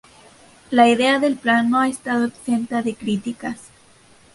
La idea del Plan no ha estado exenta de críticas.